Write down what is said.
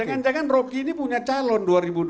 jangan jangan rocky ini punya calon dua ribu dua puluh